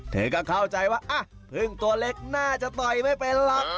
เธอก็เข้าใจว่าพึ่งตัวเล็กน่าจะต่อยไม่เป็นหรอก